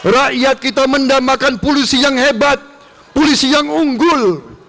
rakyat kita mendamakan polisi yang hebat polisi yang unggul